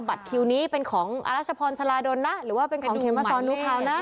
บัตรคิวนี้เป็นของอรัชพรชลาดลนะหรือว่าเป็นของเขมมาสอนดูข่าวนะ